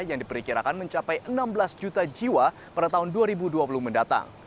yang diperkirakan mencapai enam belas juta jiwa pada tahun dua ribu dua puluh mendatang